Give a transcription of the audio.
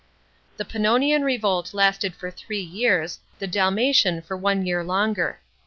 § 9. The Pannonian revolt lasted for three years, the Dalmatian for one year longer.